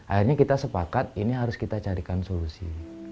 akhirnya kita sepakat ini harus kita carikan solusi